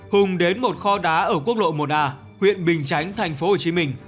hùng đến một kho đá ở quốc lộ một a huyện bình chánh tp hcm